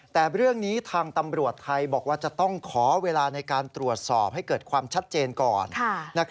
แต่เรื่องนี้ทางตำรวจไทยบอกว่าจะต้องขอเวลาในการตรวจสอบให้เกิดความชัดเจนก่อน